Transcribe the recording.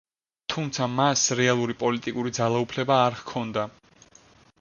თუმცა მას რეალური პოლიტიკური ძალაუფლება არ ჰქონდა.